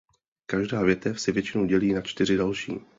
Každá větev se většinou dělí na čtyři další.